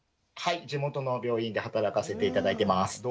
はい地元の病院で働かせて頂いてます。